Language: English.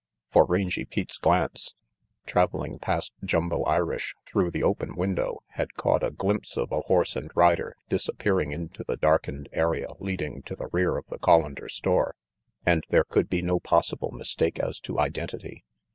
For Rangy Pete's glance, traveling past Jumbo Irish through the open window, had caught a glimpse of a horse and rider disappearing into the darkened area leading to the rear of the Collander store. And there could be no possible mistake as to identity.